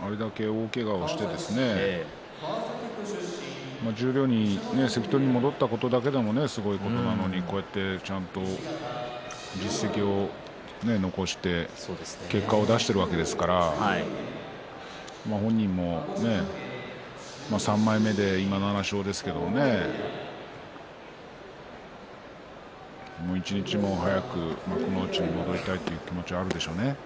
これだけの大けがをして十両に関取に戻ったことだけでもすごいことなのにこうやって、ちゃんと実績を残して結果を出しているわけですから本人も三枚目で今７勝ですけれど一日も早く幕内に戻りたいという気持ちはあるでしょうね。